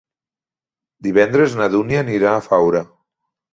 Divendres na Dúnia anirà a Faura.